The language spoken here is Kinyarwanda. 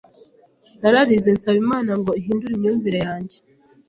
Nararize, nsaba Imana ngo ihindure imyumvire yanjye,